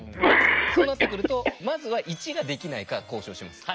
そうなってくるとまずは１ができないか交渉します。